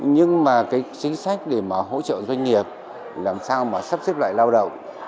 nhưng mà chính sách để hỗ trợ doanh nghiệp làm sao mà sắp xếp lại lao động